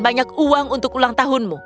banyak uang untuk ulang tahunmu